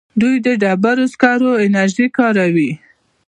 دوی د ډبرو سکرو انرژي کاروي.